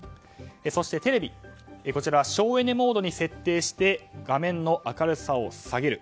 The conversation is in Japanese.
そして、テレビ省エネモードに設定して画面の明るさを下げる。